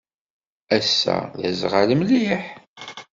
Ass-a d aẓɣal mliḥ.